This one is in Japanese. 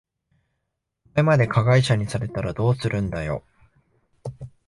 お前まで加害者にされたらどうするんだよ。